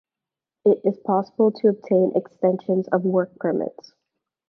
It is possible to obtain extensions of work permits.